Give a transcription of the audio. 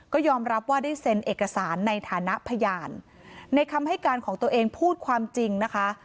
ก็ยอมรับว่าได้เซ็นเอกสารในฐานะพยานในคำให้การของตัวเองพูดความจริงนะคะ